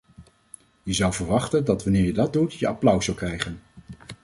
Je zou verwachten dat wanneer je dat doet, je applaus zou krijgen.